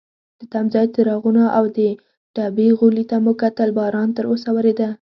د تمځای څراغونو او د ډبې غولي ته مو کتل، باران تراوسه وریده.